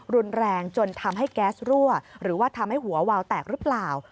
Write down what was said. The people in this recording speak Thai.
รุนแรงจนทำให้แก๊สรั่วหรือว่าทำให้หัววาวแตกหรือเปล่า